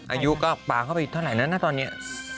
อายุก็ปลาเข้าไปเท่าไหร่แล้วนะตอนนี้